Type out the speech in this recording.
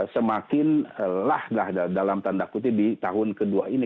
semakin lah dalam tanda putih di tahun ke dua ini